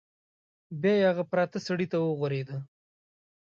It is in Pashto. بیا یې هغه پراته سړي ته وغوریده.